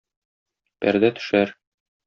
Пәрдә төшәр.